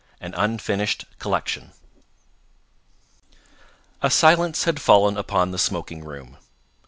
AN UNFINISHED COLLECTION A silence had fallen upon the smoking room.